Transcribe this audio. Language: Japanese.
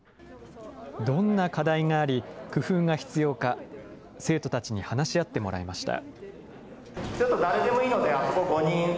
どんな課題があり、工夫が必要か、生徒たちに話し合ってもらいました。